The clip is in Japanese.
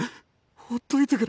ほっといてくれ。